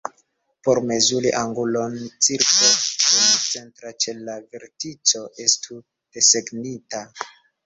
Por mezuri angulon, cirklo kun centro ĉe la vertico estu desegnita.